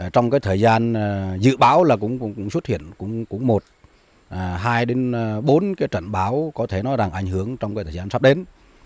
trong thời gian dự báo là cũng xuất hiện một hai đến bốn trận báo có thể nói rằng ảnh hưởng trong thời gian sắp đến